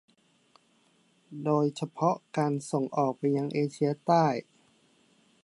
โดยเฉพาะการส่งออกไปยังเอเชียใต้